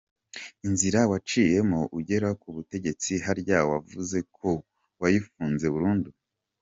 Inzira waciyemo ugera kubugetsi harya wavuze ko wayifunze burundu?